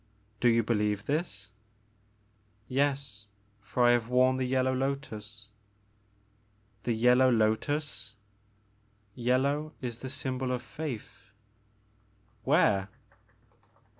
Do you believe this ?" Yes, for I have worn the yellow lotus "'* The yellow lotus "*' Yellow is the symbol of faith *' ''Where?"